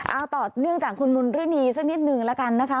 เอาต่อเนื่องจากคุณมณฤดีสักนิดหนึ่งแล้วกันนะคะ